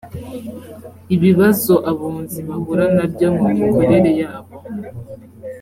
ibibazo abunzi bahura nabyo mu mikorere yabo